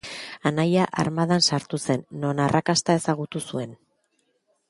Anaia armadan sartu zen, non arrakasta ezagutu zuen.